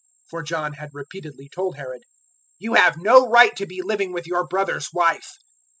006:018 For John had repeatedly told Herod, "You have no right to be living with your brother's wife."